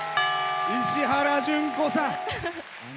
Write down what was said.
石原詢子さん。